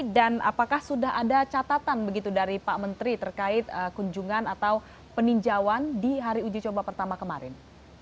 dan apakah sudah ada catatan dari pak menteri terkait kunjungan atau peninjauan di hari uji coba pertama kemarin